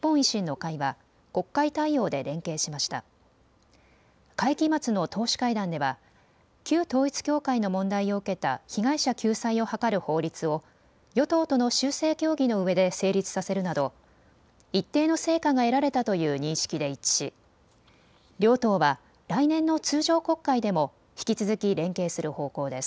会期末の党首会談では旧統一教会の問題を受けた被害者救済を図る法律を与党との修正協議のうえで成立させるなど一定の成果が得られたという認識で一致し両党は来年の通常国会でも引き続き連携する方向です。